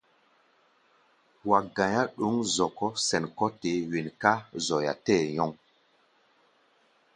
Wa ga̧i̧á̧ ɗɔ̌ŋ-zɔkɔ́ sɛn kɔ́ te wen ká zoya tɛɛ́ nyɔŋ.